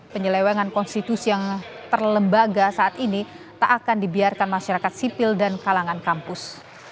penyelewengan konstitusi yang terlembaga saat ini tak akan dibiarkan masyarakat sipil dan kalangan kampus